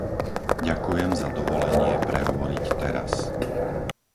Ďakujem za dovolenie prehovoriť teraz.